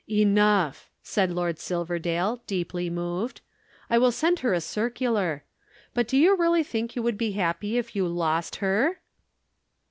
"Enough!" said Lord Silverdale, deeply moved, "I will send her a circular. But do you really think you would be happy if you lost her?"